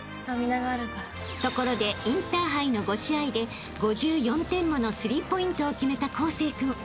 ［ところでインターハイの５試合で５４点ものスリーポイントを決めた康成君］